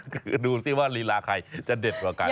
ควรดูสิว่ารีราใครจะดีกว่ากับคุณยายสิ